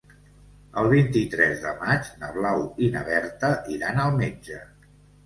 El vint-i-tres de maig na Blau i na Berta iran al metge.